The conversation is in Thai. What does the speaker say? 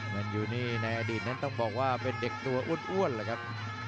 มันอยู่นี่ในอดีตนั้นต้องบอกว่าเป็นเด็กตัวอ้วนเลยครับ